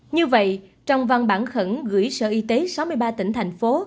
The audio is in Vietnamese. như vậy trong văn bản khẩn gửi sở y tế sáu mươi ba tỉnh thành phố